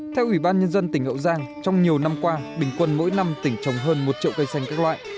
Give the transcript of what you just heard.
theo ủy ban nhân dân tỉnh hậu giang trong nhiều năm qua bình quân mỗi năm tỉnh trồng hơn một triệu cây xanh các loại